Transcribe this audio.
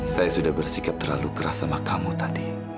saya sudah bersikap terlalu keras sama kamu tadi